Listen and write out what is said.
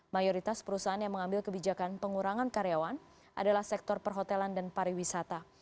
mayoritas perusahaan yang mengambil kebijakan pengurangan karyawan adalah sektor perhotelan dan pariwisata